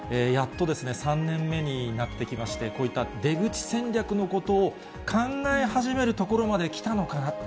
やっと３年目になってきまして、こういった出口戦略のことを考え始めるところまできたのかな。